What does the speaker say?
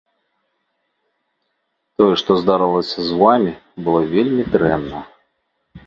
Тое, што здарылася з вамі, было вельмі дрэнна.